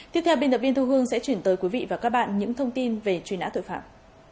tiếp theo biên tập viên thu hương sẽ chuyển tới quý vị và các bạn những thông tin về truy nã tội phạm